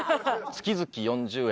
月々４０円。